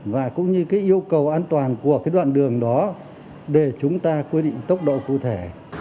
và cũng như cái yêu cầu an toàn của cái đoạn đường đó để chúng ta quy định tốc độ cụ thể